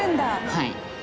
はい。